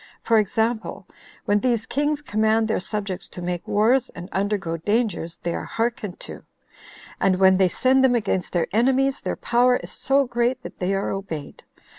For example, when these kings command their subjects to make wars, and undergo dangers, they are hearkened to; and when they send them against their enemies, their power is so great that they are obeyed.